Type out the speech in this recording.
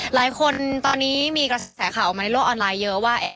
หลายคนตอนนี้มีกระแสข่าวออกมาในโลกออนไลน์เยอะว่า